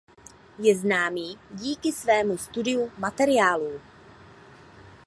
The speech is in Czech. Je známý díky svému studiu materiálů.